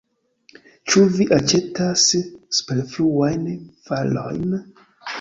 Ĉu vi aĉetas superfluajn varojn?